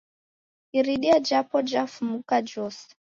Iridia japo jafumuka jose